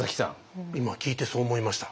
今聞いてそう思いました。